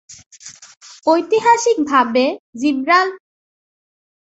ঐতিহাসিকভাবে, জিব্রাল্টার প্রথম ইউরোপে ইসলামের অবস্থান ছিল।